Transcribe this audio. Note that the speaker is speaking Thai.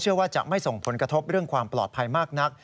ว่าจะไม่ส่งผลกระทบเรื่องความปลอดภัยมากนัก